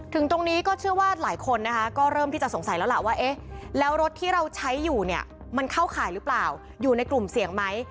ถึงตรงนี้ก็เชื่อว่าหลายคนนะคะก็เริ่มที่จะสงสัยแล้วล่ะว่าเอ๊ะแล้วรถที่เราใช้อยู่เนี่ยมันเข้าข่ายหรือเปล่าอยู่ในกลุ่มเสี่ยงไหม